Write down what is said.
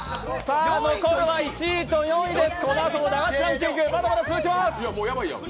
残るは１位と４位です。